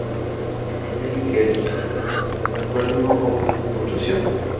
Kelly Kelly, la cual no obtuvo puntuación.